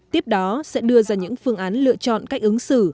tiếp đó sẽ đưa ra những phương án lựa chọn cách ứng xử